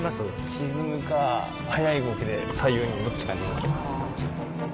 沈むか、速い動きで左右に、どっちかに動きますね。